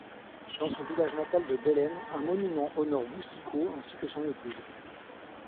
Dans son village natal de Bellême, un monument honore Boucicaut, ainsi que son épouse.